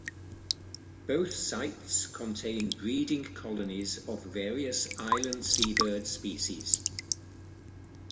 Both sites contain breeding colonies of various island seabird species.